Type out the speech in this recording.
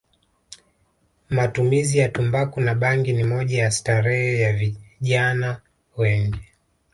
Matumizi ya tumbaku na bangi ni moja ya starehe ya vijna wengi